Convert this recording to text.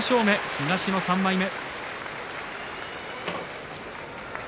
東の３枚目。